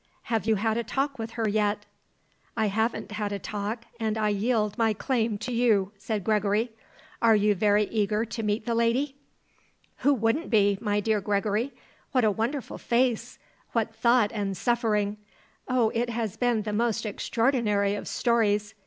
"Have you had a talk with her yet?" "I haven't had a talk and I yield my claim to you," said Gregory. "Are you very eager to meet the lady?" "Who wouldn't be, my dear Gregory! What a wonderful face! What thought and suffering! Oh, it has been the most extraordinary of stories.